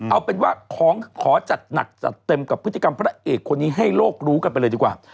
เอาเป็นว่าขอจัดหนักจัดเต็มกับพฤติกรรมพระเอกคนนี้ให้โลกรู้กันไปเลยดีกว่า